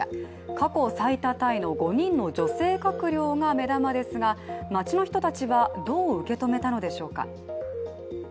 過去最多タイの５人の女性閣僚が目玉ですが街の人たちはどう受け止めたのでしょうか。